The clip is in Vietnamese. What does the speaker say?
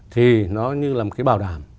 thì nó như là một cái bảo đảm